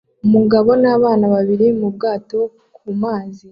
Umugabo nabana babiri mubwato kumazi